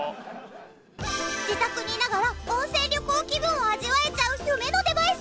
自宅にいながら温泉旅行気分を味わえちゃう夢のデバイス！